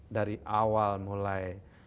dari awal mulai